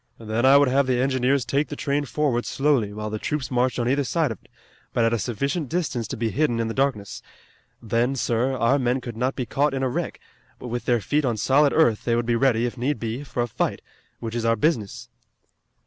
Then I would have the engineers take the train forward slowly, while the troops marched on either side of it, but at a sufficient distance to be hidden in the darkness. Then, sir, our men could not be caught in a wreck, but with their feet on solid earth they would be ready, if need be, for a fight, which is our business."